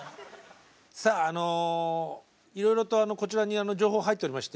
さああのいろいろとこちらに情報入っておりまして。